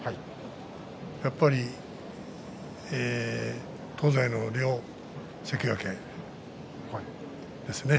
やっぱり東西の両関脇ですね。